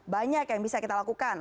banyak yang bisa kita lakukan